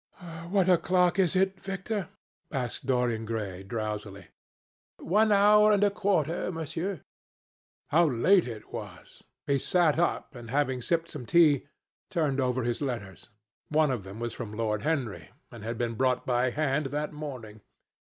"What o'clock is it, Victor?" asked Dorian Gray drowsily. "One hour and a quarter, Monsieur." How late it was! He sat up, and having sipped some tea, turned over his letters. One of them was from Lord Henry, and had been brought by hand that morning.